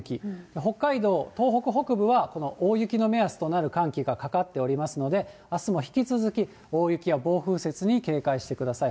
北海道、東北北部はこの大雪の目安となる寒気がかかっておりますので、あすも引き続き、大雪や暴風雪に警戒してください。